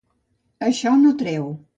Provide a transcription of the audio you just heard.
Això no treu.